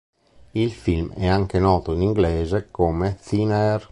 Il film è anche noto in inglese come "Thin Air".